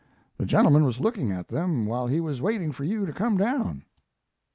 The gentleman was looking at them while he was waiting for you to come down."